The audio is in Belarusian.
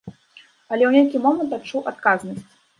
Але ў нейкі момант адчуў адказнасць.